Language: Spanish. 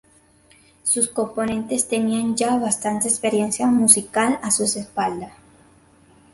Sus componentes tenían ya bastante experiencia musical a sus espaldas.